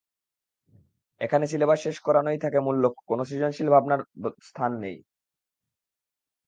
এখানে সিলেবাস শেষ করানোই থাকে মূল লক্ষ্য, কোনো সৃজনশীল ভাবনার স্থান নেই।